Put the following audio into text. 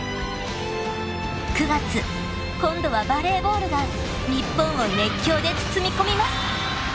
［９月今度はバレーボールが日本を熱狂で包み込みます］